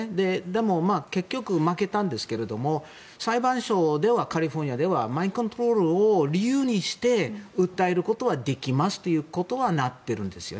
でも、結局負けたんですけど裁判所ではカリフォルニアではマインドコントロールを理由にして訴えることはできますということにはなっています。